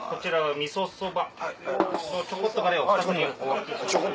みそそば。